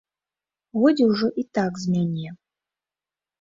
Годзе ўжо і так з мяне.